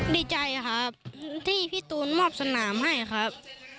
ดีใจครับที่พี่ตูนมอบสนามให้ครับ